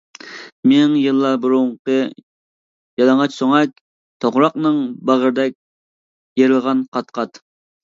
مىڭ يىللار بۇرۇنقى يالىڭاچ سۆڭەك، توغراقنىڭ باغرىدەك يېرىلغان قات-قات.